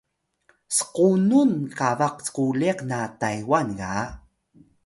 squnun qabax cquliq na Taywan ga